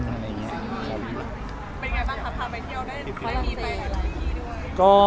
เป็นยังไงบ้างค่ะพาไปเที่ยวได้ค่อยมีไปกับพี่ด้วย